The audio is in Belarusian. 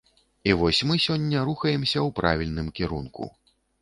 І вось мы сёння рухаемся ў правільным кірунку.